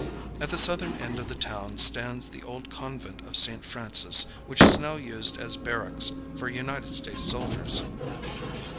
At the southern end of the town stands the old Convent of St. Francis, which is now used as barracks for United States soldiers.